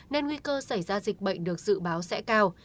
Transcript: nên nguy cơ xảy ra dịch bệnh được dự báo sẽ cao